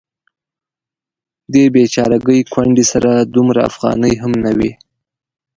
دې بیچارګۍ کونډې سره دومره افغانۍ هم نه وې.